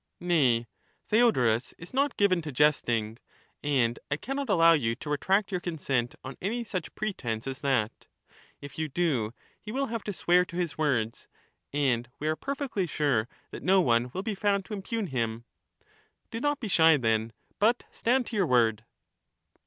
Nay, Theodorus is not given to jesting ; and I cannot be shown to allow you to retract your consent on any such pretence as ^ weii de 1 Ti. It .,, 1 1.11 served or that. If you do, he will have to swear to his words ; and we not. are perfectly sure that no one will be found to unpugn him. Do not be shy then, but stand to your word.